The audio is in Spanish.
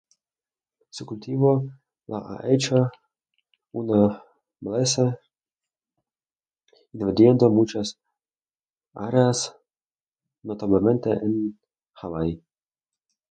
Su cultivo la ha hecho una maleza invadiendo muchas áreas, notablemente en Hawái.